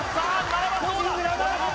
７番どうだ